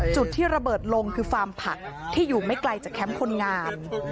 จุดที่ระเบิดลงคือฟาร์มผักที่อยู่ไม่ไกลจากแคมป์คนงาน